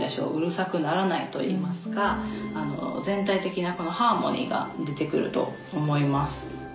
うるさくならないといいますか全体的なハーモニーが出てくると思います。